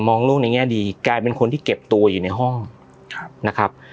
มองโลกในแง่ดีแกเป็นคนที่เก็บตัวอยู่ในห้องครับนะครับ